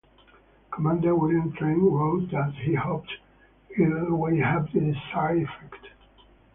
Commander William Trent wrote that he hoped it will have the desired effect.